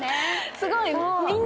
すごい。